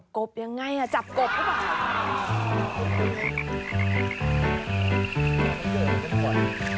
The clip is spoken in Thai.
กบยังไงจับกบหรือเปล่า